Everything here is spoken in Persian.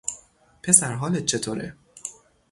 پسر حالت چطوره؟